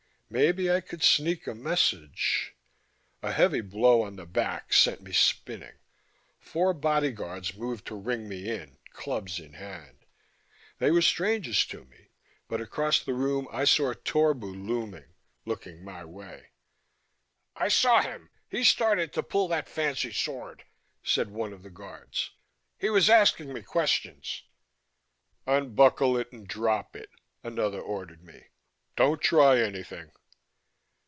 Maybe I could sneak a message A heavy blow on the back sent me spinning. Four bodyguards moved to ring me in, clubs in hand. They were strangers to me, but across the room I saw Torbu looming, looking my way.... "I saw him; he started to pull that fancy sword," said one of the guards. "He was asking me questions " "Unbuckle it and drop it," another ordered me. "Don't try anything!"